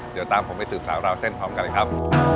เดี๋ยวตามผมไปสืบสาวราวเส้นพร้อมกันเลยครับ